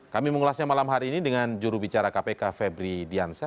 kami mengulasnya malam hari ini dengan jurubicara kpk febri diansyah